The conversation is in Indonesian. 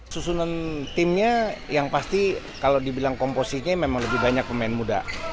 susunan timnya yang pasti kalau dibilang komposinya memang lebih banyak pemain muda